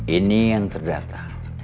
ini yang terdata